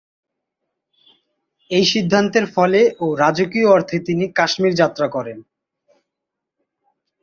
এই সিদ্ধান্তের ফলে ও রাজকীয় অর্থে তিনি কাশ্মীর যাত্রা করেন।